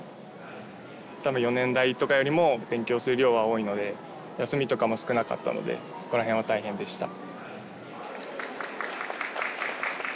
多分４年大とかよりも勉強する量は多いので休みとかも少なかったのでそこら辺は大変でした。